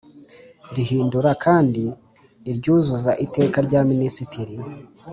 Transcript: rihindura kand iryuzuza iteka rya minisitiri